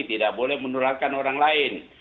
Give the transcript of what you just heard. tidak boleh menularkan orang lain